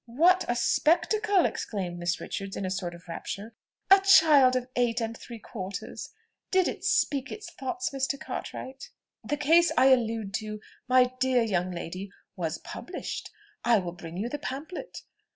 "What a spectacle!" exclaimed Miss Richards in a sort of rapture. "A child of eight and three quarters! Did it speak its thoughts, Mr. Cartwright?" "The case I allude to, my dear young lady, was published. I will bring you the pamphlet.